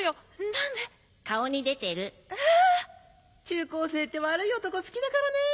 中高生って悪い男好きだからね。